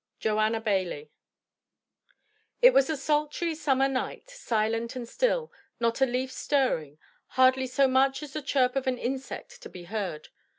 JOANNA BAILLIE. It was a sultry summer night, silent and still, not a leaf stirring, hardly so much as the chirp of an insect to be heard.